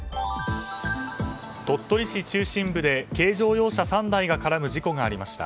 鳥取市中心部で軽乗用車３台が絡む事故がありました。